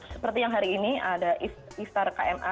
seperti yang hari ini ada iftar kma